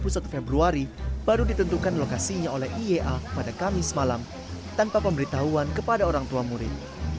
jumat siang dua puluh satu februari baru ditentukan lokasinya oleh iea pada kamis malam tanpa pemberitahuan kepada orang tua murid